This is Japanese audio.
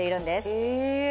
へえ。